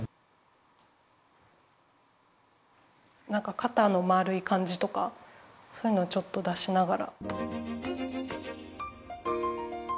肩のまるい感じとかそういうのをちょっと出しながら。